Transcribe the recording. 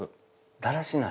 だらしない？